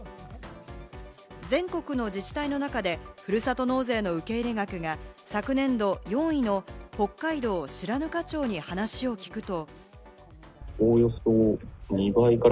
全国の自治体の中でふるさと納税の受け入れ額が昨年度４位の北海道・白糠町に話を聞くと。